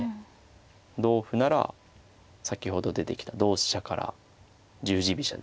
同歩なら先ほど出てきた同飛車から十字飛車ですね。